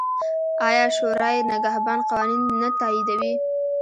آیا شورای نګهبان قوانین نه تاییدوي؟